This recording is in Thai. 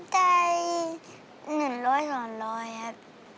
ได้หนึ่งร้อยสองร้อยครับ